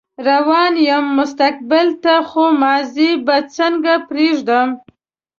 روان يم مستقبل ته خو ماضي به څنګه پرېږدم